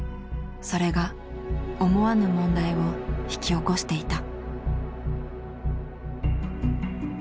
それが思わぬ問題を引き起こしていた。